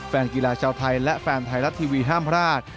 แฟนกีฬาชาวไทยและแฟนไทยรัฐทีวีห้ามพลาด